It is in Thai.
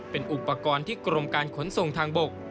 เป็นอุปกรณ์ที่กรมการขนส่งทางบก